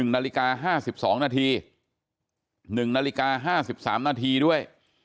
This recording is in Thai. ๑นาฬิกา๕๒นาที๑นาฬิกา๕๓นาทีด้วย